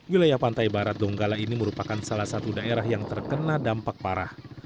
wilayah pantai barat donggala ini merupakan salah satu daerah yang terkena dampak parah